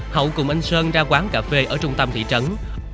hậu cùng anh sơn ra quán cà phê ở trung tâm thị trấn